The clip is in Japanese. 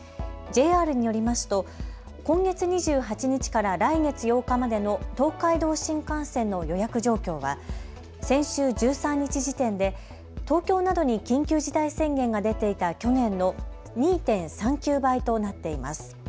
ＪＲによりますと今月２８日から来月８日までの東海道新幹線の予約状況は先週１３日時点で東京などに緊急事態宣言が出ていた去年の２．３９倍となっています。